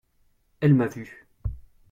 Elle m’a vu…